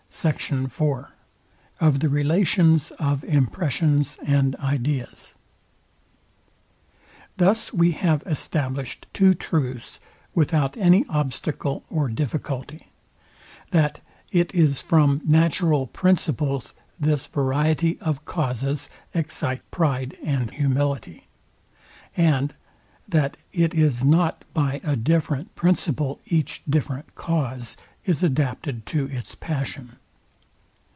SECT. IV OF THE RELATIONS OF IMPRESSIONS AND IDEAS Thus we have established two truths without any obstacle or difficulty, that IT IS FROM NATURAL PRINCIPLES THIS VARIETY OF CAUSES EXCITES PRIDE AND HUMILITY, and that IT IS NOT BY A DIFFERENT PRINCIPLE EACH DIFFERENT CAUSE IS ADAPTED TO ITS PASSION.